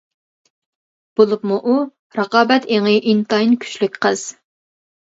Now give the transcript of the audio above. بولۇپمۇ ئۇ رىقابەت ئېڭى ئىنتايىن كۈچلۈك قىز.